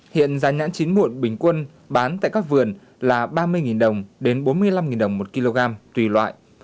hiện giá nhãn chín muộn bình quân bán tại các vườn là ba mươi đồng đến bốn mươi năm đồng một kg tùy loại